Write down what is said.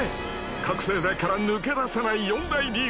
覚せい剤から抜け出せない４大理由！